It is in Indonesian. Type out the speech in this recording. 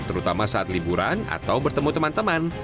terutama saat liburan atau bertemu teman teman